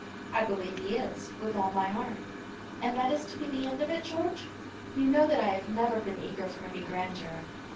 "I believe he is, with all my heart." "And that is to be an end of it, George? You know that I have never been eager for any grandeur."